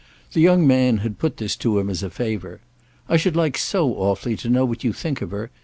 The young man had put this to him as a favour—"I should like so awfully to know what you think of her.